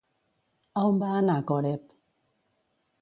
A on va anar Coreb?